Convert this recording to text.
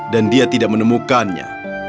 dan dia tidak menemukannya